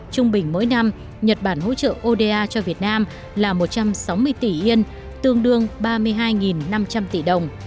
trung bình mỗi năm nhật bản hỗ trợ oda cho việt nam là một trăm sáu mươi tỷ yên tương đương ba mươi hai năm trăm linh tỷ đồng